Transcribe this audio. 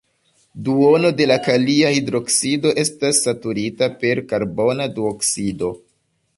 Duono de la kalia hidroksido estas saturita per karbona duoksido.